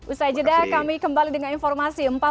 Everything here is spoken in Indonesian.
usai jeda kami kembali dengan informasi